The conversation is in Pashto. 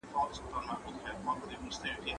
سعید په خپله کتابچه کې یو څه ولیکل.